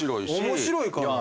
面白いからもう。